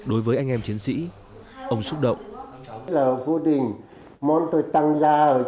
ông xúc động